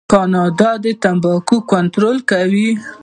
کاناډا د تمباکو کنټرول کوي.